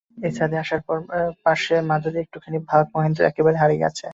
এই ছাদে আশার পাশে মাদুরের একটুখানি ভাগ মহেন্দ্র একেবারে হারাইয়াছে।